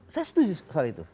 saya setuju soal itu